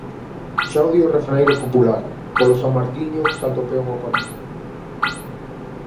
Xa o di o refraneiro popular: "polo San Martiño, salta o peón ao camiño".